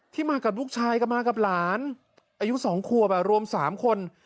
มากับลูกชายก็มากับหลานอายุ๒ขวบรวม๓คน